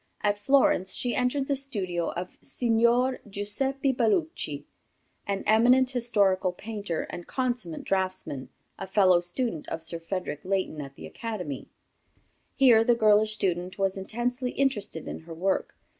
At Florence she entered the studio of Signor Guiseppe Bellucci, an eminent historical painter and consummate draughtsman, a fellow student of Sir Frederick Leighton at the Academy. Here the girlish student was intensely interested in her work.